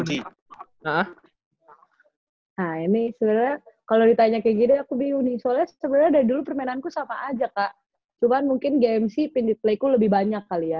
nah ini sebenernya kalo ditanya kayak gini aku bingung nih soalnya sebenernya dari dulu permainanku sama aja kak cuman mungkin gmc play ku lebih banyak kali ya